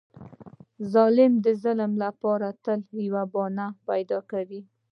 ظالم د ظلم لپاره تل یوه پلمه پیدا کوي.